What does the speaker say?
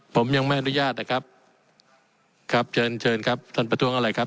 ผมยังไม่อนุญาตนะครับครับเชิญเชิญครับท่านประท้วงอะไรครับ